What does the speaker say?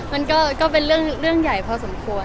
มันก็เป็นเรื่องใหญ่พอสมควร